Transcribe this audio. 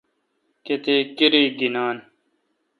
کتیک کرائ گینان؟